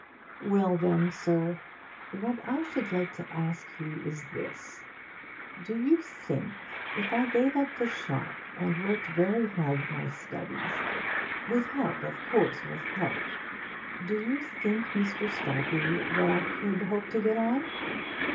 'Well, then, sir, what I should like to ask you is this. Do you think, if I gave up the shop and worked very hard at my studies with help, of course, with help, do you think, Mr. Starkey, that I could hope to get on?'